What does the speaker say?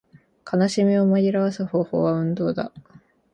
悲しみを紛らわす方法は運動だ